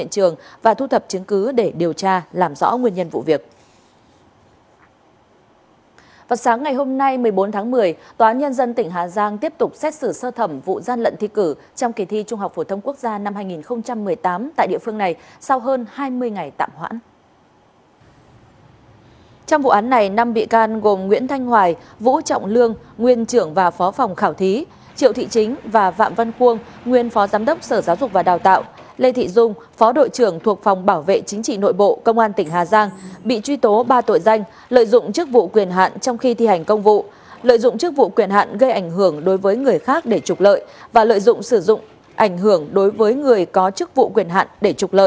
trong vụ án này năm vị can gồm nguyễn thanh hoài vũ trọng lương nguyên trưởng và phó phòng khảo thí triệu thị chính và vạm văn quân nguyên phó giám đốc sở giáo dục và đào tạo lê thị dung phó đội trưởng thuộc phòng bảo vệ chính trị nội bộ công an tỉnh hà giang bị truy tố ba tội danh lợi dụng chức vụ quyền hạn trong khi thi hành công vụ lợi dụng chức vụ quyền hạn gây ảnh hưởng đối với người khác để trục lợi và lợi dụng sử dụng ảnh hưởng đối với người có chức vụ quyền hạn để trục lợ